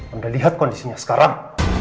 anda lihat kondisinya sekarang